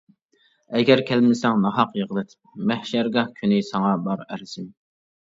ئەگەر كەلمىسەڭ ناھەق يىغلىتىپ، مەھشەرگاھ كۈنى ساڭا بار ئەرزىم.